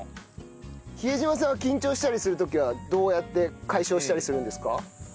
比江島さんは緊張したりする時はどうやって解消したりするんですか？